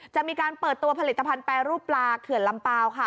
จะมีการเปิดตัวผลิตภัณฑ์แปรรูปปลาเขื่อนลำเปล่าค่ะ